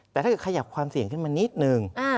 แต่ถ้าเกิดขยับความเสี่ยงขึ้นมานิดนึง